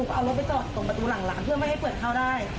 ก็เอารถไปจอดตรงประตูหลังร้านเพื่อไม่ให้เปิดเข้าได้